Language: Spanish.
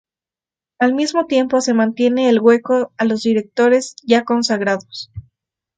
Al mismo tiempo, se mantiene el hueco a los directores ya consagrados.